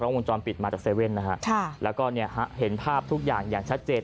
กล้องวงจรปิดมาจากเซเว่นและก็เห็นภาพทุกอย่างอย่างชาติเดต